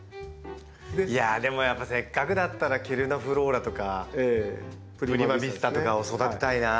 いやでもやっぱせっかくだったらケルナーフローラとかプリマヴィスタとかを育てたいなあ。